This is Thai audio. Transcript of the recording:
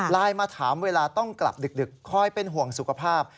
มาถามเวลาต้องกลับดึกคอยเป็นห่วงสุขภาพ